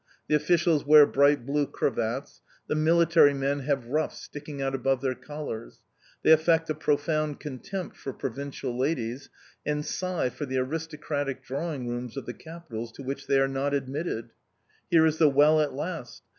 The officials wear bright blue cravats; the military men have ruffs sticking out above their collars. They affect a profound contempt for provincial ladies, and sigh for the aristocratic drawing rooms of the capitals to which they are not admitted. Here is the well at last!...